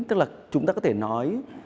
tức là chúng ta có thể nói